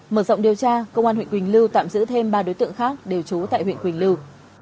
mở rộng điều tra công an huyện quỳnh lưu tạm giữ thêm ba đối tượng khác đều trú tại huyện quỳnh lưu